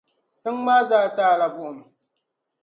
tiŋ’ maa zaa taai la buɣim.